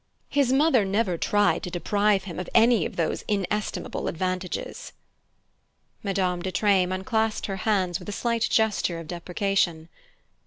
"His mother never tried to deprive him of any of those inestimable advantages!" Madame de Treymes unclasped her hands with a slight gesture of deprecation.